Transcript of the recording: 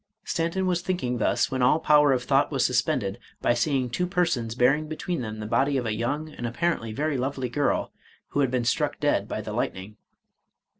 Stanton was thinking thus, when all power of thought was suspended, by seeing two persons bearing between them the body of a young, and apparently very lovely girl, who had been struck dead by the lightning.